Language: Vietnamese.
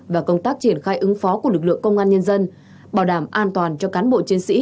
và công tác triển khai ứng phó của lực lượng công an nhân dân bảo đảm an toàn cho cán bộ chiến sĩ